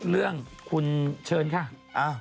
เรื่องคุณเชิญค่ะ